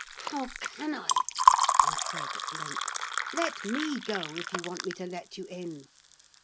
"How can I!" I said at length. "Let me go, if you want me to let you in!"